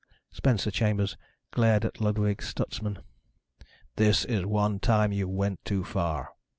Spencer Chambers glared at Ludwig Stutsman. "This is one time you went too far."